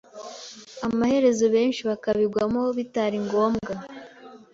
amaherezo benshi bakabigwamo bitari ngombwa.